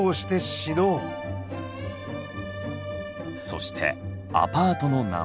そしてアパートの名前